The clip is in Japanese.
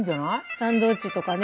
サンドイッチとかね。